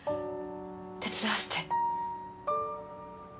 手伝わせて。